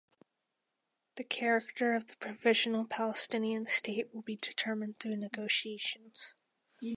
The character of the provisional Palestinian state will be determined through negotiations.